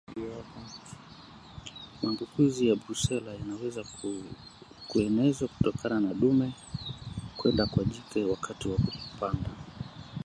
Maambukizi ya Brusela yanaweza kuenezwa kutoka kwa dume kwenda kwa jike wakati wa kupanda